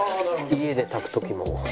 家で炊く時も。